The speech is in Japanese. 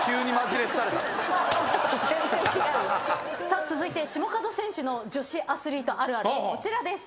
さあ続いて下門選手の女子アスリートあるあるこちらです。